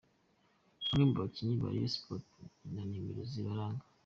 Bamwe mu bakinnyi ba Rayon Sports na nimero zibaranga:.